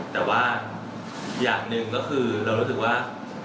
แต่ว่าอย่างหนึ่งก็คือเรารู้สึกว่า